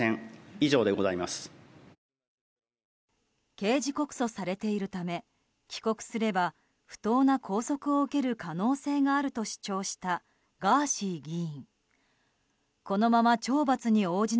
刑事告訴されているため帰国すれば不当な拘束を受ける可能性があると主張したガーシー議員。